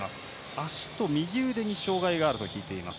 足と右腕に障がいがあると聞いています。